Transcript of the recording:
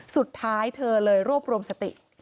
สุดท้ายเธอเลยรวบรวมสติ